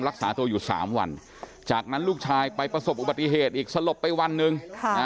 รักษาตัวอยู่๓วันจากนั้นลูกชายไปประสบอุบัติเหตุอีกสลบไปวันหนึ่ง